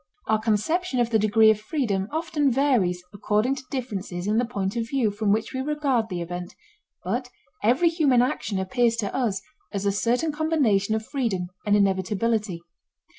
Our conception of the degree of freedom often varies according to differences in the point of view from which we regard the event, but every human action appears to us as a certain combination of freedom and inevitability.